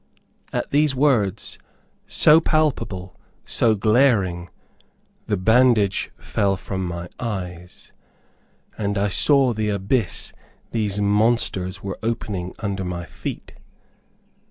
At these words, so palpable, so glaring, the bandage fell from my eyes, and I saw the abyss these monsters were opening under my feet.